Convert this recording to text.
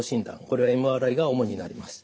これはＭＲＩが主になります。